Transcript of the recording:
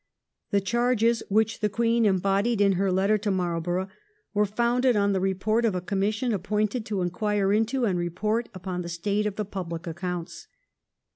The charges which the Queen embodied in her letter to Marlborough were founded on the report of a commission appointed to inquire into and report upon the state of the public accounts.